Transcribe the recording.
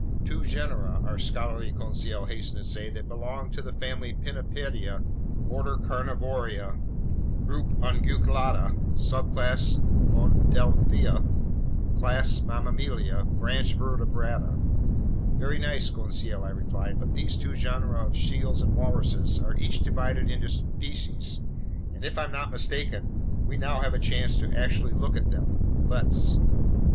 "Two genera," our scholarly Conseil hastened to say, "that belong to the family Pinnipedia, order Carnivora, group Unguiculata, subclass Monodelphia, class Mammalia, branch Vertebrata." "Very nice, Conseil," I replied, "but these two genera of seals and walruses are each divided into species, and if I'm not mistaken, we now have a chance to actually look at them. Let's."